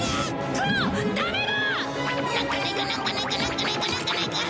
クロダメだ！なんかないかなんかないかなんかないかなんかないか。